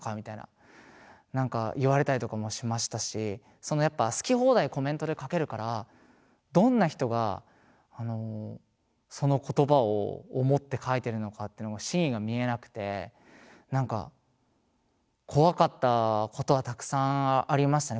そのやっぱ好き放題コメントで書けるからどんな人があのその言葉を思って書いてるのかっていうのが真意が見えなくて何か怖かったことはたくさんありましたね